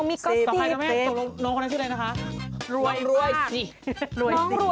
สำคัญนะแม่น้องคนนั้นชื่ออะไรนะคะ